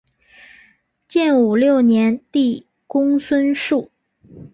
建武六年帝公孙述。